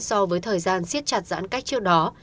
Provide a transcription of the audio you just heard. so với thời gian siết chặt giãn cách trước đó